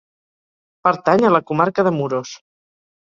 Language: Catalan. Pertany a la Comarca de Muros.